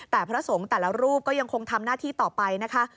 แต่พระสงฆ์แต่ละรูปก็ยังคงทำหน้าที่ต่อไปนะคะ